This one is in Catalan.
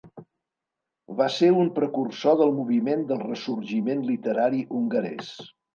Va ser un precursor del moviment del ressorgiment literari hongarès.